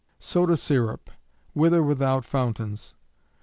_Soda Syrup, with or without Fountains.